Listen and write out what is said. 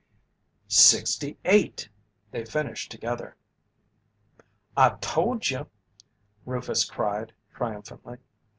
"Sixty eight!" They finished together. "I told you!" Rufus cried, triumphantly.